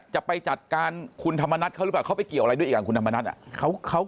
จะไปจัดการคุณธรรมนัฐเขาหรือเปล่าเขาไปเกี่ยวอะไรด้วยอีกอย่างคุณธรรมนัฐ